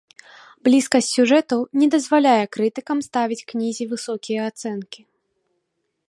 Блізкасць сюжэтаў не дазваляе крытыкам ставіць кнізе высокія ацэнкі.